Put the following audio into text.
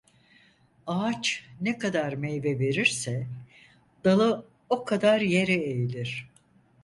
Ağaç ne kadar meyve verirse, dalı o kadar yere eğilir.